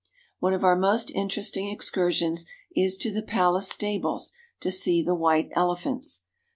One of our most interesting excursions is to the palace stables to see the white elephants.